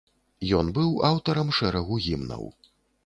Ён быў аўтарам шэрагу гімнаў.